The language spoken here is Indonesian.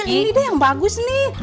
ini deh yang bagus nih